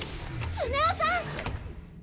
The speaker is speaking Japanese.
スネ夫さん！